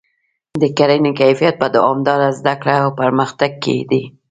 د کرنې کیفیت په دوامداره زده کړه او پرمختګ کې دی.